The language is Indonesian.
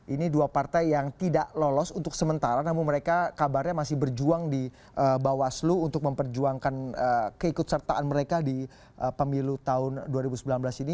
ini dua partai yang tidak lolos untuk sementara namun mereka kabarnya masih berjuang di bawaslu untuk memperjuangkan keikut sertaan mereka di pemilu tahun dua ribu sembilan belas ini